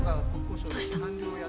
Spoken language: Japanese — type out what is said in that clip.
どうしたの？